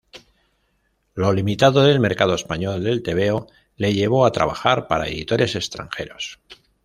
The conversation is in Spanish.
Lo limitado del mercado español del tebeo le llevó a trabajar para editores extranjeros.